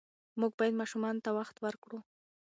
موږ باید ماشومانو ته وخت ورکړو.